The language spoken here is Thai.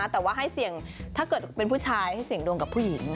แต่ว่าให้เสี่ยงถ้าเกิดเป็นผู้ชายให้เสี่ยงดวงกับผู้หญิง